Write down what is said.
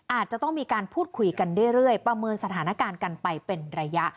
อาจจะต้องมีการพูดคุยกันเรื่อยประเมินสถานการณ์กันไปเป็นระยะ